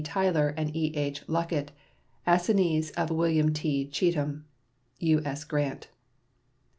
B. Tyler and E.H. Luckett, assignees of William T. Cheatham." U.S. GRANT.